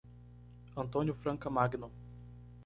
Antônio Franca Magno